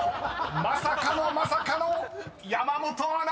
［まさかのまさかの山本アナストップ！］